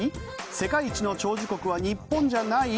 世界一の長寿国は日本じゃない？